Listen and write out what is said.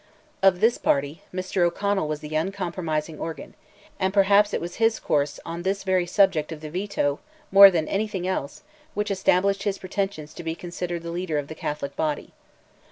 Of this party, Mr. O'Connell was the uncompromising organ, and, perhaps, it was his course on this very subject of the Veto, more than anything else, which established his pretensions to be considered the leader of the Catholic body.